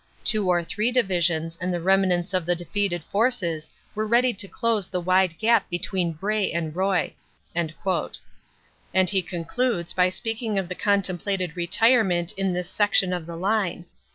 Two or three Divisions and the remnants of the defeated forces were ready to close the wide gap between Bray and Roye." And he concludes by speaking of the con templated retirement in this section of the line.